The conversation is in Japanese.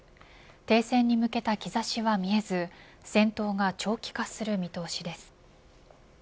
停戦に向けた兆しは見えず戦闘が長期化する見通しです。